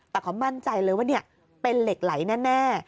แต่เขามั่นใจเลยว่าเป็นเหล็กไหลแน่